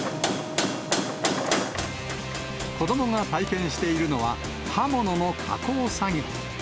子どもが体験しているのは刃物の加工作業。